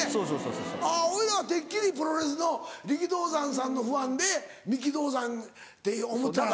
おいらはてっきりプロレスの力道山さんのファンで三木道三って思ってたら。